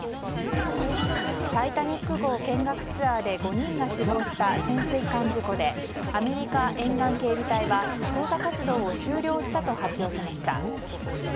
「タイタニック号」見学ツアーで５人が死亡した潜水艦事故でアメリカ沿岸警備隊は捜索活動を終了したと発表しました。